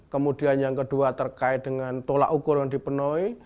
kemudian yang kedua terkait dengan tolak ukur yang dipenuhi